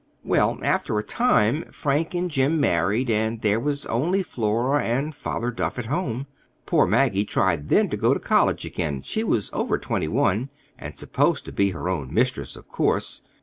"Well, after a time Frank and Jim married, and there was only Flora and Father Duff at home. Poor Maggie tried then to go to college again. She was over twenty one, and supposed to be her own mistress, of course.